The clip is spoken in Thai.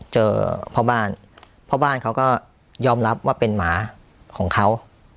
เจอพ่อบ้านพ่อบ้านเขาก็ยอมรับว่าเป็นหมาของเขา